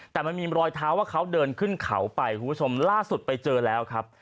แต่มันมีรอยเท้าว่าเขาเดินขึ้นเขาไปคุณผู้ชมล่าสุดไปเจอแล้วครับ